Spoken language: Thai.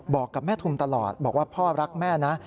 บอกกับแม่ทุมตลอดบอกว่าพ่อรักแม่นะ